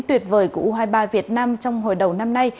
tuyệt vời của u hai mươi ba việt nam trong hồi đầu năm nay